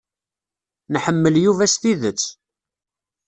Nḥemmel Yuba s tidet.